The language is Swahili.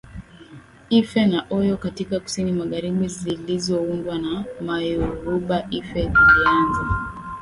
Ife na Oyo katika kusini magharibi zilizoundwa na Wayoruba Ife ilianza